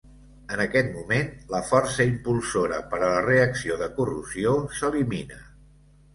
En aquest moment, la força impulsora per a la reacció de corrosió s'elimina.